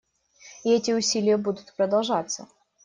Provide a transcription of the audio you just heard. И эти усилия будут продолжаться.